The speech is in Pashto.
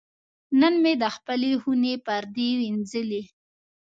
نن مې د خپلې خونې پردې وینځلې.